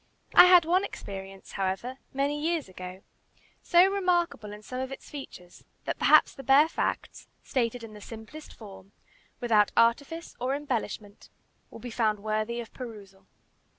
I had one experience, however, many years ago, so remarkable in some of its features, that perhaps the bare facts, stated in the simplest form, without artifice or embellishment, will be found worthy of perusal.